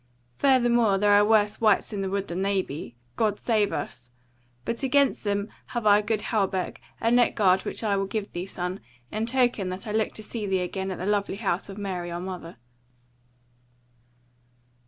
Furthermore there are worse wights in the wood than they be God save us! but against them have I a good hauberk, a neck guard which I will give thee, son, in token that I look to see thee again at the lovely house of Mary our Mother."